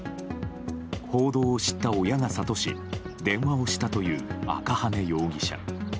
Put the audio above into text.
報道を知った親がさとし電話をしたという赤羽容疑者。